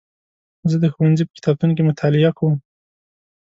زه د ښوونځي په کتابتون کې مطالعه کوم.